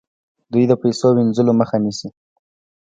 دوی د پیسو وینځلو مخه نیسي.